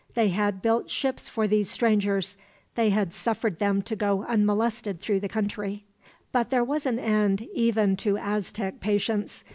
They had built ships for these strangers. They had suffered them to go unmolested through the country. But there was an end even to Aztec patience.